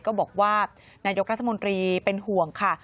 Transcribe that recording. ก็บอกว่านายกรัฐมนตรีเป็นห่วงค่ะ